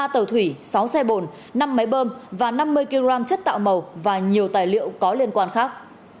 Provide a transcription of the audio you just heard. ba tàu thủy sáu xe bồn năm máy bơm và năm mươi kg chất tạo màu và nhiều tài liệu có liên quan khác